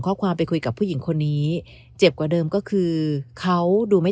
ข้อความไปคุยกับผู้หญิงคนนี้เจ็บกว่าเดิมก็คือเขาดูไม่